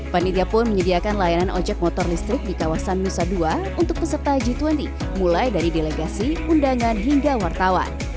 panitia pun menyediakan layanan ojek motor listrik di kawasan nusa dua untuk peserta g dua puluh mulai dari delegasi undangan hingga wartawan